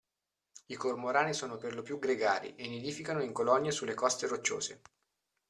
I Cormorani sono per lo più gregari e nidificano in colonie sulle coste rocciose.